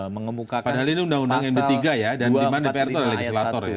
mengemukakan pasal dua ratus empat puluh lima ayat satu